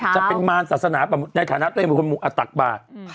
จะเป็นมารศาสนาในฐานะตักบาท